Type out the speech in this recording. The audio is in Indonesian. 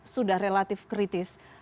sudah relatif kritis